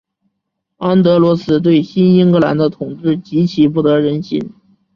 安德罗斯对新英格兰的统治极其不得人心。